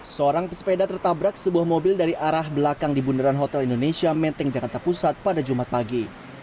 seorang pesepeda tertabrak sebuah mobil dari arah belakang di bundaran hotel indonesia menteng jakarta pusat pada jumat pagi